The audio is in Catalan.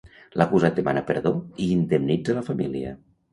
L'acusat demana perdó i indemnitza la família.